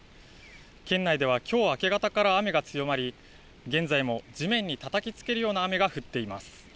県内ではきょう明け方から雨が強まり現在も地面にたたきつけるような雨が降っています。